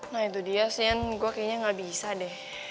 nah itu dia sin gue kayaknya nggak bisa deh